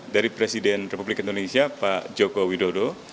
dari presiden republik indonesia pak joko widodo